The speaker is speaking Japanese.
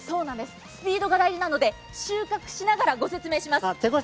スピードが大事なので収穫しながらご説明します。